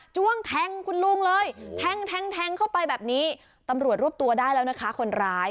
้วงแทงคุณลุงเลยแทงแทงเข้าไปแบบนี้ตำรวจรวบตัวได้แล้วนะคะคนร้าย